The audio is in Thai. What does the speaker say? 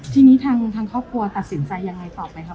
ทีนี้ทางครอบครัวตัดสินใจยังไงต่อไปครับ